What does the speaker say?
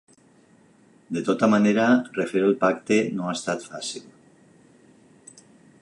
De tota manera, refer el Pacte no ha estat fàcil.